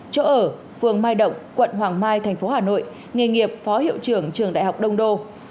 chỗ ở phường mai động quận hoàng mai thành phố hà nội nghề nghiệp phó hiệu trưởng trường đại học đông đô